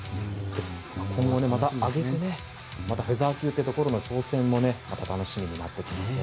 今後また上げてフェザー級というところの挑戦もまた楽しみになってきますね。